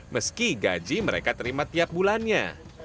meski gaji mereka terima tiap bulannya